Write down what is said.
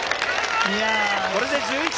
これで−１１！